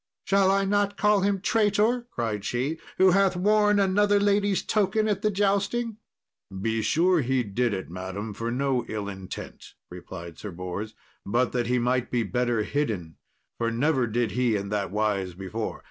"Shall I not call him traitor," cried she, "who hath worn another lady's token at the jousting?" "Be sure he did it, madam, for no ill intent," replied Sir Bors, "but that he might be better hidden, for never did he in that wise before."